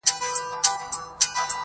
يوه بهرنۍ ښځه عکس اخلي او يادښتونه ليکي،